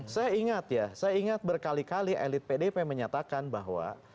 saya ingat ya saya ingat berkali kali elit pdp menyatakan bahwa